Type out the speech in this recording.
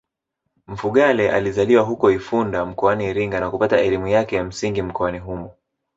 Mfugale alizaliwa huko Ifunda mkoani Iringa na kupata elimu yake ya msingi mkoani humo